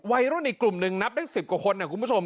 วัยรุ่นอีกกลุ่มหนึ่งนับได้๑๐กว่าคนนะคุณผู้ชม